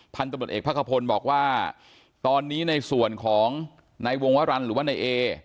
พันธุ์ตำรวจเอกพระขพลบอกว่าตอนนี้ในส่วนของในวงวรรณหรือว่านายเอ